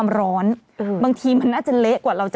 มะม่วงสุกก็มีเหมือนกันมะม่วงสุกก็มีเหมือนกัน